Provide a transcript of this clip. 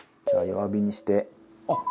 じゃあ弱火にして７分。